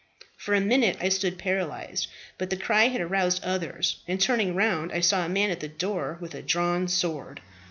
"For a minute I stood paralyzed. But the cry had aroused others, and, turning round, I saw a man at the door with a drawn sword.